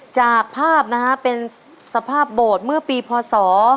จากภาพนะฮะเป็นสภาพโบสถ์เมื่อปีพศ๒๕